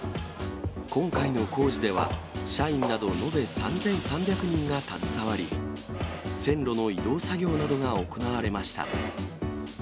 今回の工事では、社員など延べ３３００人が携わり、線路の移動作業などが行われました。